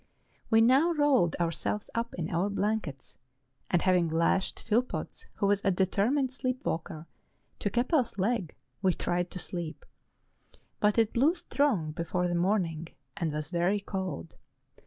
We now rolled our¬ selves up in our blankets, and having lashed Phill potts, who was a determined sleep walker, to Keppel's leg, we tried to sleep; but it blew strong before the morning, and was very cold.